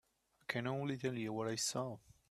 I can only tell you what I saw.